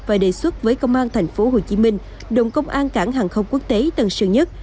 và đề xuất với công an thành phố hồ chí minh đồng công an cảng hàng không quốc tế tân sơ nhất